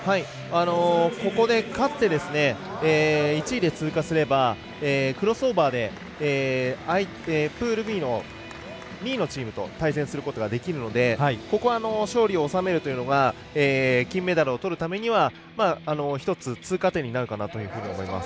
ここで勝って１位で通過すればクロスオーバーでプールＢの２位のチームと対戦することができるのでここは勝利を収めるというのが金メダルをとるためには１つ通過点になるかなというふうに思います。